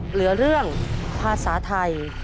เหลือเรื่องภาษาไทย